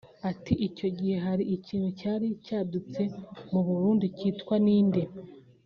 Ati “Icyo gihe hari ikintu cyari cyadutse mu Burundi cyitwa ‘Ninde’